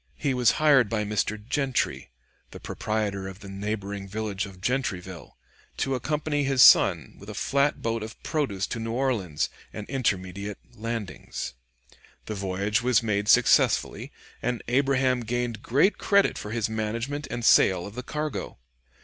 He was hired by Mr. Gentry, the proprietor of the neighboring village of Gentryville, to accompany his son with a flat boat of produce to New Orleans and intermediate landings. The voyage was made successfully, and Abraham gained great credit for his management and sale of the cargo.